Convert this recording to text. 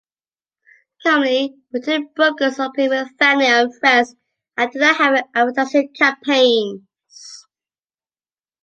Commonly, boutique brokers operate with family and friends and do not have advertising campaigns.